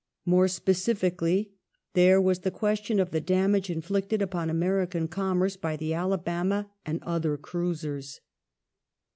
More specifically, there was the question of the damage inflicted upon American commerce by the Alabama and other cruisei's.